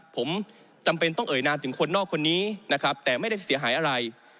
ผมจำเป็นต้องเอ่ยนามถึงคนนอกคนนี้นะครับแต่ไม่ได้เสียหายอะไร